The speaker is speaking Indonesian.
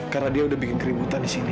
karena dia udah bikin keributan di sini